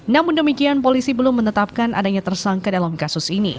namun demikian polisi belum menetapkan adanya tersangka dalam kasus ini